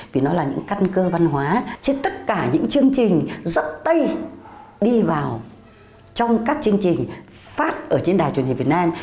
vì nó là những căn cơ văn hóa trên tất cả những chương trình dẫn tay đi vào trong các chương trình phát ở trên đài truyền hình việt nam